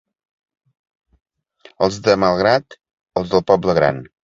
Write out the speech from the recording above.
Els de Malgrat, els del poble gran.